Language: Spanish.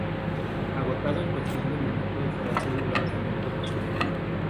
Agotado en cuestión de minutos tras su lanzamiento en China.